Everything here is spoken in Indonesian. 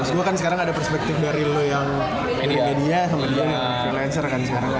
gua kan sekarang ada perspektif dari lu yang dari media sama dia yang freelancer